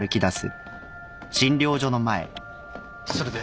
それで？